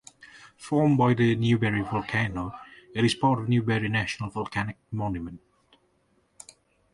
Formed by the Newberry Volcano, it is part of Newberry National Volcanic Monument.